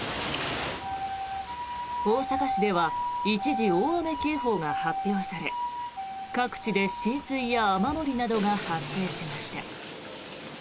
大阪市では一時大雨警報が発表され各地で浸水や雨漏りなどが発生しました。